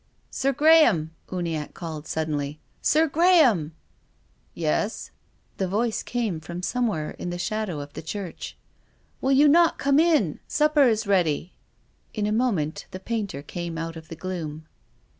" Sir Graham !" Uniacke called suddenly. " Sir Graham !"" Yes." The voice came from somewhere in the shadow of the church. " Will you not come in ? Supper is ready." In a moment the painter came out of the gloom.